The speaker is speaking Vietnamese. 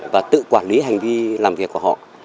và tự quản lý hành vi làm việc của họ